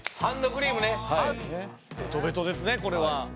ベトベトですねこれは。